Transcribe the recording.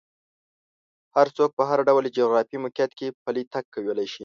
هر څوک په هر ډول جغرافیایي موقعیت کې پلی تګ کولی شي.